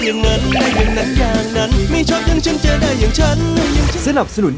ยังไงจะบอล